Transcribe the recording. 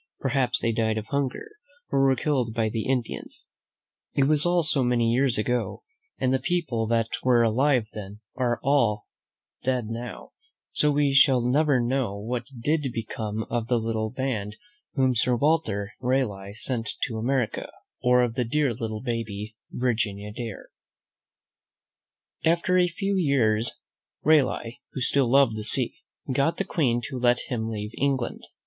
Perhaps they died of hunger or were killed by the Indians. It was all so many, many years ago, and the people that were alive then are now all dead; so we shall never know what did become of the little band whom Sir Walter Raleigh sent to America, or of the dear little baby, Virginia Dare. unnur^tt :— M <^ '«!V ■m 100 THE BOY WHO LOVED THE SEA ;S^^ ^VM After a few years, Raleigh, who still loved the sea, got the Queen to let him leave England.